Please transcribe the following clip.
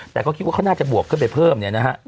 แต่ก็คิดว่าเขาน่าจะบวกขึ้นไปเพิ่มเนี่ยนะฮะ